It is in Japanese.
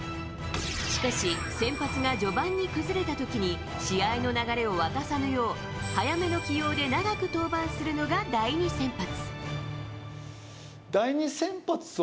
しかし、先発が序盤に崩れた時に試合の流れを渡さぬよう早めの起用で長く登板するのが第２先発。